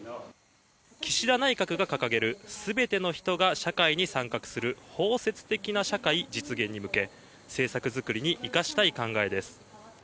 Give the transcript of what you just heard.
岸田内閣が掲げるすべての人が社会に参画する包摂的な社会実現に向け、政策作りに生かしたい考えです。